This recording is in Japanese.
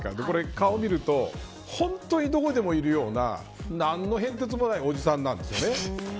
顔を見ると本当にどこにでもいるような何の変哲もないおじさんなんですよね。